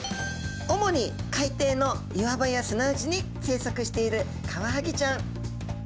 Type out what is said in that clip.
主に海底の岩場や砂地に生息しているカワハギちゃん。